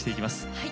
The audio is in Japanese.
はい。